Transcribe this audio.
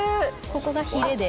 ここがヒレで。